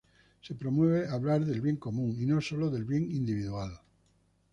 Se promueve hablar del bien común y no sólo del bien individual.